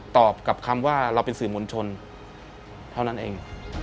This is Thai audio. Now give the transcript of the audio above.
ตอบกับคำว่าเราเป็นสื่อมวลชนเท่านั้นเอง